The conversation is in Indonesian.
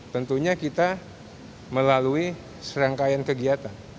tentunya kita melalui serangkaian kegiatan